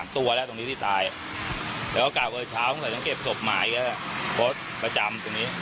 ๓ตัวแล้วตรงนี้ที่ตายแต่กลับเช้าตั้งแต่เก็บศพหมายก็ประจำตรงนี้